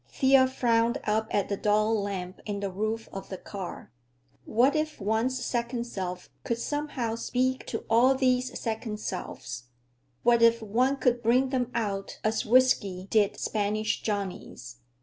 Thea frowned up at the dull lamp in the roof of the car. What if one's second self could somehow speak to all these second selves? What if one could bring them out, as whiskey did Spanish Johnny's?